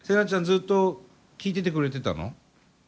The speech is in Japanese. ずっと聴いててくれてたの？